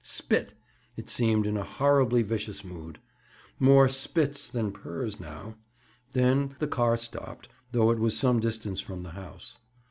Spit!—it seemed in a horribly vicious mood. More "spits" than "purrs," now! Then the car stopped, though it was some distance from the house.